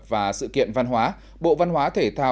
và sự kiện văn hóa bộ văn hóa thể thao